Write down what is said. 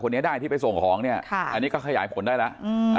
ได้ที่ไปส่งของเนี่ยค่ะอันนี้ก็ขยายผลได้แล้ว